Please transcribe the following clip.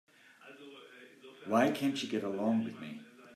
Why can't she get along with me?